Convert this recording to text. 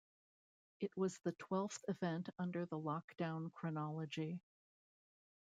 It was the twelfth event under the Lockdown chronology.